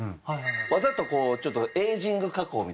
わざとこうちょっとエイジング加工みたいなのをして。